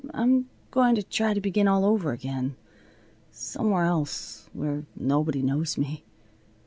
I'm going to try to begin all over again, somewhere else, where nobody knows me."